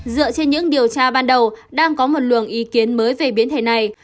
dựa trên những điều tra ban đầu đang có một luồng ý kiến mới về biến thể này